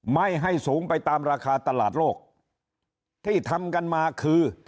ไม่ให้สูงไปตามราคาตลาดโลกที่ทำกันมาคือ